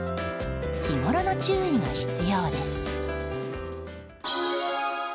日ごろの注意が必要です。